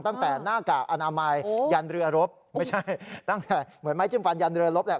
ตั้งแต่หน้ากากอนามัยยันเรือรบไม่ใช่ตั้งแต่เหมือนไม้จิ้มฟันยันเรือลบแหละ